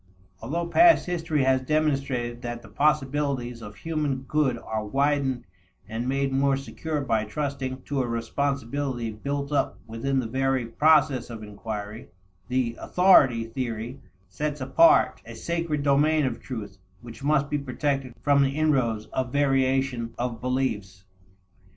Although past history has demonstrated that the possibilities of human good are widened and made more secure by trusting to a responsibility built up within the very process of inquiry, the "authority" theory sets apart a sacred domain of truth which must be protected from the inroads of variation of beliefs.